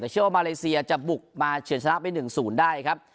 แต่เชื่อว่ามาเลเซียจะบุกมาเฉินชนะไป๑๐ได้ครับ